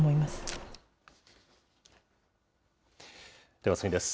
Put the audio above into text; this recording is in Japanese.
では次です。